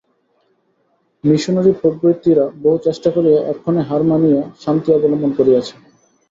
Missionary প্রভৃতিরা বহু চেষ্টা করিয়া এক্ষণে হার মানিয়া শান্তি অবলম্বন করিয়াছে।